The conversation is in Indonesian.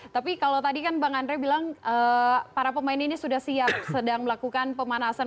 tapi kalau tadi kan bang andre bilang para pemain ini sudah siap sedang melakukan pemanasan